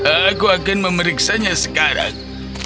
aku akan memeriksa sekarang